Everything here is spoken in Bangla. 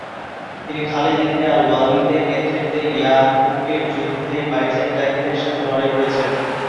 তিনি খালিদ ইবনে আল-ওয়ালিদের নেতৃত্বে ইয়ারমুকের যুদ্ধে বাইজেন্টাইনদের সাথে লড়াই করেছিলেন।